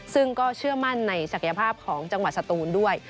ซึ่งก็เชื่อมั่นในศักยภาพของจังหวัดสตูนด้วย